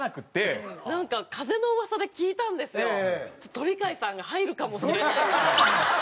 鳥飼さんが入るかもしれないみたいな。